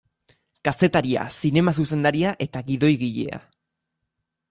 Kazetaria, zinema zuzendaria eta gidoigilea.